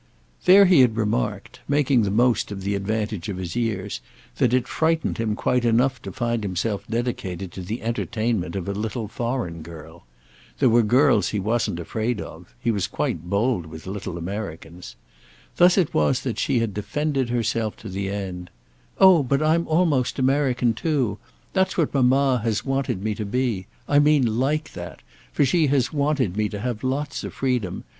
Then he had remarked—making the most of the advantage of his years—that it frightened him quite enough to find himself dedicated to the entertainment of a little foreign girl. There were girls he wasn't afraid of—he was quite bold with little Americans. Thus it was that she had defended herself to the end—"Oh but I'm almost American too. That's what mamma has wanted me to be—I mean like that; for she has wanted me to have lots of freedom.